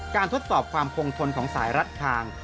ทดสอบความคงทนของสายรัดทาง